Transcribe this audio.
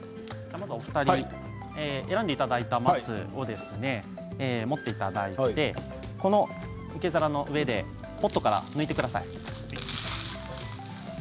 お二人選んでいただいた松は持っていただいて受け皿の上でポットから抜いてください。